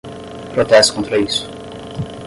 Protesto contra isso!